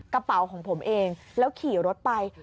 กระเป๋าของผมเองแล้วขี่รถไป